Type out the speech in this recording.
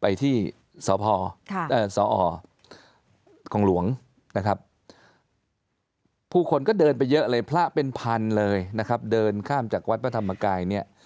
ไปที่สพสอของหลวงนะครับผู้คนก็เดินไปเยอะเลยพระเป็นพันเลยนะครับเดินข้ามจากวัดพระธรรมกายเนี่ย